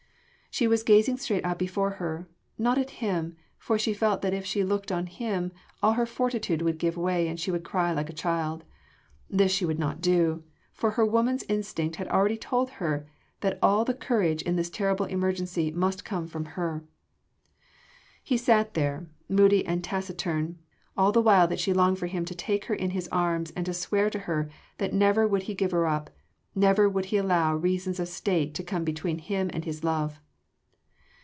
She was gazing straight out before her not at him, for she felt that if she looked on him, all her fortitude would give way and she would cry like a child. This she would not do, for her woman’s instinct had already told her that all the courage in this terrible emergency must come from her. He sat there, moody and taciturn, all the while that she longed for him to take her in his arms and to swear to her that never would he give her up, never would he allow reasons of State to come between him and his love.